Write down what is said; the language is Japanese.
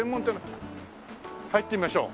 入ってみましょう。